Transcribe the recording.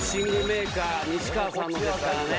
メーカー西川さんのですからね